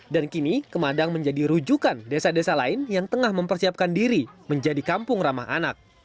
dan kini kematang menjadi rujukan desa desa lain yang tengah mempersiapkan diri menjadi kampung ramah anak